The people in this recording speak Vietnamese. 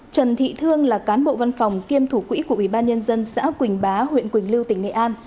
trần thị thương là cán bộ văn phòng kiêm thủ quỹ của ủy ban nhân dân xã quỳnh bá huyện quỳnh lưu tỉnh nghệ an